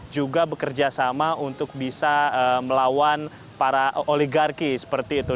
juga bekerja sama untuk bisa melawan para oligarki seperti itu